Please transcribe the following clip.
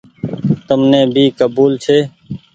تم ني ڀي ڪبول ڇي۔